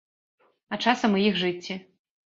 А часам і іх жыцці.